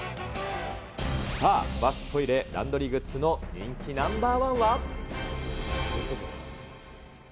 さあ、バス・トイレ・ランドリーグッズの人気ナンバー１は？